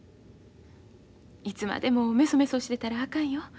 いつまでもめそめそしてたらあかんよ。